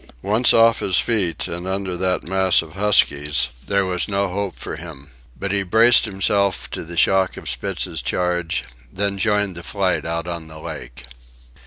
Once off his feet and under that mass of huskies, there was no hope for him. But he braced himself to the shock of Spitz's charge, then joined the flight out on the lake.